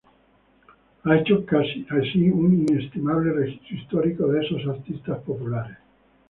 Ha hecho así un inestimable registro histórico de esos artistas populares.